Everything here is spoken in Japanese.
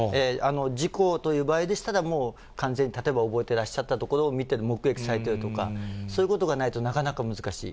事故という場合でしたら、もう、完全に例えば溺れてらっしゃったところを見て、目撃されてるとか、そういうことがないと、なかなか難しい。